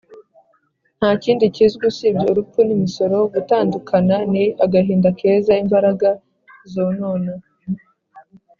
ntakindi kizwi usibye urupfu n'imisoro. gutandukana ni agahinda keza imbaraga zonona;